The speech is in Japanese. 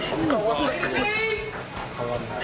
変わらない。